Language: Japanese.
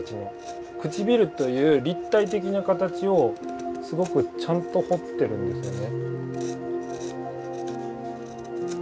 唇という立体的な形をすごくちゃんと彫ってるんですよね。